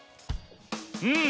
うん。